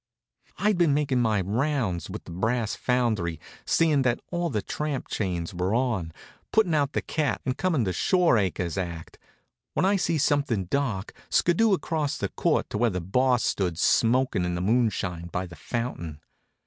I'd been making my rounds with the brass foundry, seeing that all the tramp chains were on, putting out the cat, and coming the "Shore Acres" act, when I sees something dark skiddoo across the court to where the Boss stood smoking in the moonshine by the fountain.